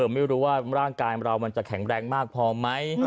ไม่รู้ว่าร่างกายเรามันจะแข็งแรงมากพอไหม